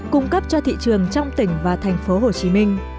cung cấp cho thị trường trong tỉnh và thành phố hồ chí minh